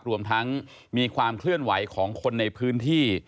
รวมทั้งมีความเคลื่อนไหวของคนในพื้นที่